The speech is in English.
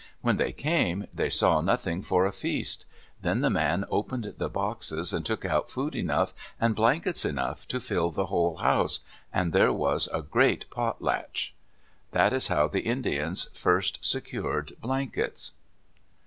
When they came, they saw nothing for a feast. Then the man opened the boxes and took out food enough and blankets enough to fill the whole house, and there was a great potlatch. That is how the Indians first secured blankets.